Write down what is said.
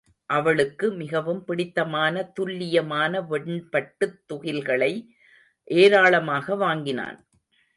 அவளுக்கு மிகவும் பிடித்தமான துல்லியமான வெண்பட்டுத் துகில்களை ஏராளமாக வாங்கினான்.